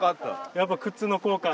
やっぱ靴の効果が。